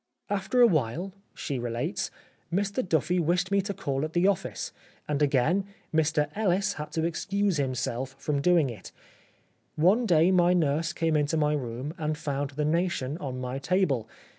" After a while," she relates, " Mr Duffy wished me to call at the office, and again ' Mr Ellis ' had to excuse himself from doing it. One day my nurse came into my room and found The Nation on my table.